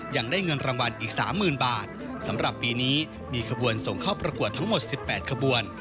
ยังได้เงินรางวัลอีก๓๐๐๐บาทสำหรับปีนี้มีขบวนส่งเข้าประกวดทั้งหมด๑๘ขบวน